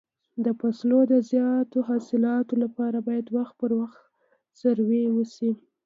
د فصلو د زیاتو حاصلاتو لپاره باید وخت پر وخت سروې وشي.